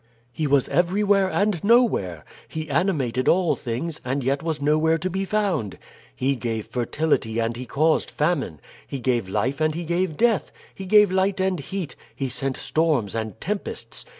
"He was everywhere and nowhere, he animated all things, and yet was nowhere to be found; he gave fertility and he caused famine, he gave life and he gave death, he gave light and heat, he sent storms and tempests.